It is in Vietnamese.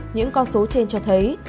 những con số trên cho thấy